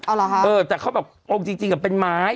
เออแต่เขาแบบตรงสักทีอ่ะเป็นไม้